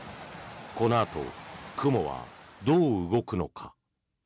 このあと雲はどう動くのか。